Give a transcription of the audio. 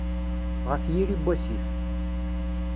Ɣef yiri n wasif.